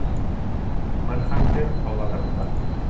Manhunter el va derrotar.